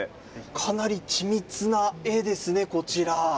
かなり緻密な絵ですね、こちら。